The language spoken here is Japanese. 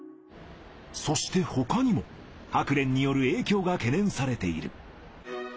そして他にもハクレンによる影響が懸念されている。